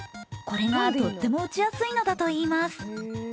これが、とっても打ちやすいのだといいます。